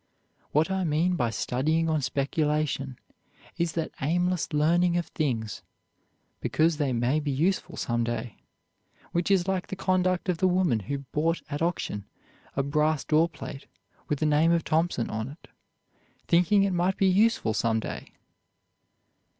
What I mean by studying on speculation is that aimless learning of things because they may be useful some day; which is like the conduct of the woman who bought at auction a brass door plate with the name of Thompson on it, thinking it might be useful some day!"